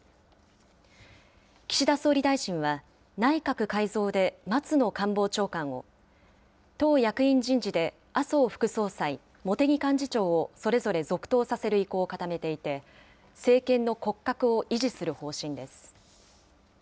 岸田総理大臣は、内閣改造で松野官房長官を、党役員人事で麻生副総裁、茂木幹事長をそれぞれ続投させる意向を固めていて、政権の骨格を維持する方針です。